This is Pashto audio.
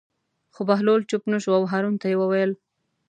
خو بهلول چوپ نه شو او هارون ته یې وویل.